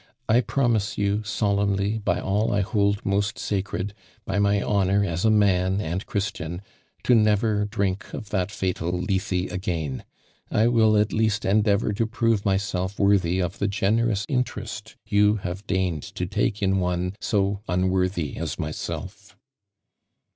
"I promise you solemnly by all I hold moat sacred — by my honor as a man and Christian, to never drink of that fatal Lethe again. I will at least endeavor to prove myself worthy of the generous interest you have deigned to take in one so unworthy as myself.'"